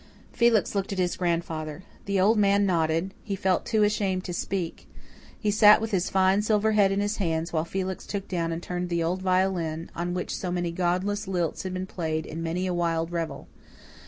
Felix looked at his grandfather. The old man nodded, he felt too ashamed to speak; he sat with his fine silver head in his hands, while Felix took down and tuned the old violin, on which so many godless lilts had been played in many a wild revel.